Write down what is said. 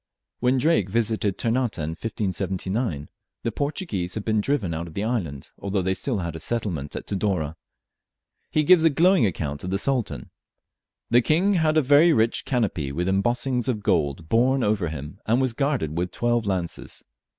When Drake visited Ternate in 1579, the Portuguese had been driven out of the island, although they still had a settlement at Tidore. He gives a glowing account of the Sultan: "The King had a very rich canopy with embossings of gold borne over him, and was guarded with twelve lances.